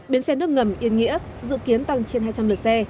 bến xe nước ngầm yên nghĩa dự kiến tăng trên hai trăm linh lượt xe